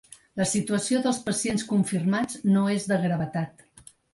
La situació dels pacients confirmats no és de gravetat.